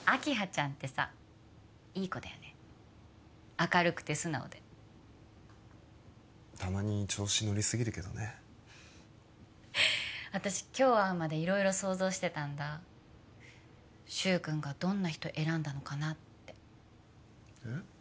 明るくて素直でたまに調子乗りすぎるけどね私今日会うまで色々想像してたんだ柊君がどんな人選んだのかなってえっ？